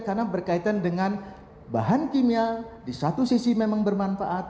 karena berkaitan dengan bahan kimia di satu sisi memang bermanfaat